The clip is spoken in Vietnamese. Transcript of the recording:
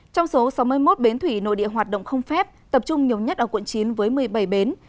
trong số sáu mươi một bến thủy nội địa hoạt động không phép tập trung nhiều nhất ở quận chín với một mươi bảy bến